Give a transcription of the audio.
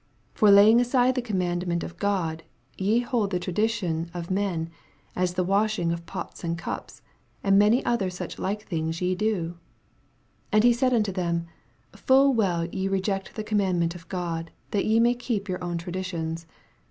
8 For laying aside the command ment of God, ye hold the tradition of men, as the washing of pots and cups : and many other such like things ye do, 9 And he said unto thorn, 1 ull well ye reject the commandment of God, that ye may keep your own traditions.